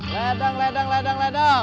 ledang ledang ledang ledang